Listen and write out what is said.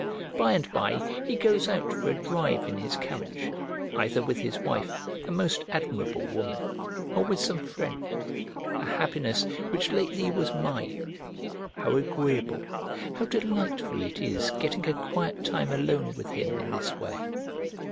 By and by he goes out for a drive in his carriage, either with his wife, a most admirable woman, or with some friend: a happiness which lately was mine. How agreeable, how delightful it is getting a quiet time alone with him in this way!